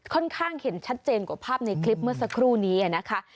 ค่อนข้างเห็นชัดเจนกว่าภาพในคลิปเมื่อสักครู่นี้นะคะ